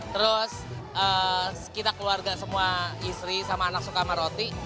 terus kita keluarga semua istri sama anak suka sama roti